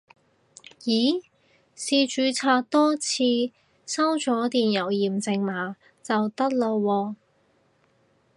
咦試註冊多次收咗電郵驗證碼就得喇喎